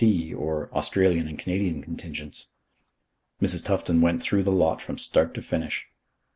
C.," or Australian and Canadian contingents. Mrs. Tufton went through the lot from start to finish.